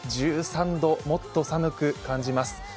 １３度、もっと寒く感じます。